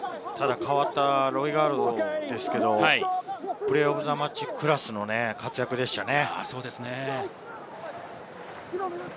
代わったロイガードですけれど、プレー・オブ・ザ・マッチクラスの活躍でしたね。